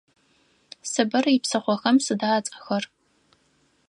Сыбыр ипсыхъохэм сыда ацӏэхэр?